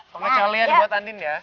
pengecualian dibuat andin ya